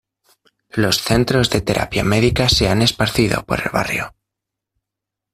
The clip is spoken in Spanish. Los centros de terapia médica se han esparcido por el barrio.